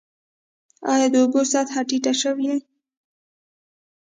آیا د اوبو سطحه ټیټه شوې؟